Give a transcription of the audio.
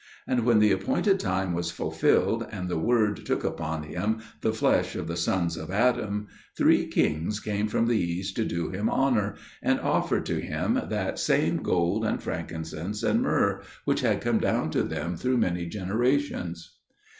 And when the appointed time was fulfilled, and the Word took upon Him the flesh of the sons of Adam, three kings came from the East to do Him honour, and offered to Him that same gold and frankincense and myrrh, which had come down to them through many generations.